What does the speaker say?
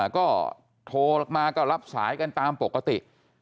ก็โทรมาก็รับสายกันตามปกติ